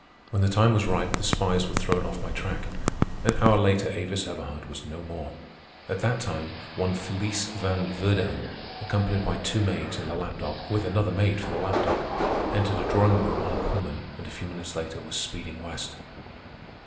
When the time was ripe, the spies were thrown off my track. An hour later Avis Everhard was no more. At that time one Felice Van Verdighan, accompanied by two maids and a lap dog, with another maid for the lap dog, entered a drawing room on a Pullman, and a few minutes later was speeding west.